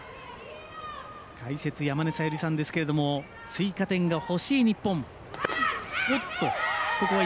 解説山根佐由里さんですけれども追加点が欲しい日本。